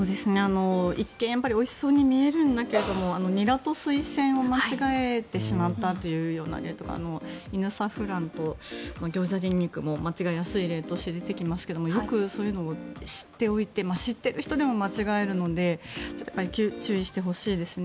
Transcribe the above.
一見おいしそうに見えるんだけれどもニラとスイセンを間違えてしまったというような例とかイヌサフランとギョウジャニンニクも間違いやすい例として出てきますがそういうのを知っておいて知っている人でも間違えるので注意してほしいですね。